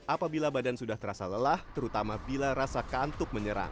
apabila badan sudah terasa lelah terutama bila rasa kantuk menyerang